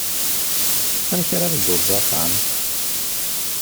Amek ara tedduḍ s axxam?